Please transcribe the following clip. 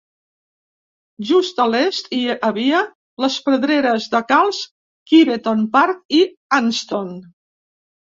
Just a l'est hi havia les pedreres de calç Kiveton Park i Anston.